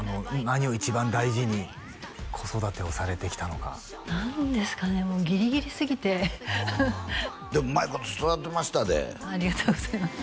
何を一番大事に子育てをされてきたのか何ですかねもうギリギリすぎてでもうまいこと育てましたでありがとうございます